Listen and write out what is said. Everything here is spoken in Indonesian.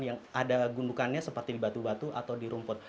yang ada gundukannya seperti di batu batu atau di rumput